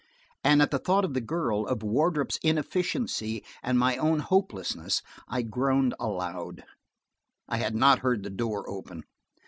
And at the thought of the girl, of Wardrop's inefficiency and my own hopelessness, I groaned aloud. I had not heard the door open.